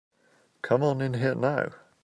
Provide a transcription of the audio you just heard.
Come on in here now.